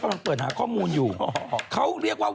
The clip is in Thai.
ใช่ครับโอ้มายก็